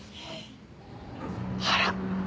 あら？